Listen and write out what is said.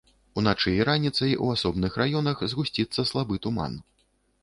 Уначы і раніцай у асобных раёнах згусціцца слабы туман.